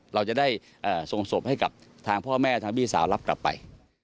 เราจะได้ส่งศพให้กับทางพ่อแม่ทางพี่สาวรับกลับไป